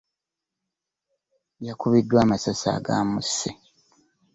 Yakubiddwa amasasi agaamusse.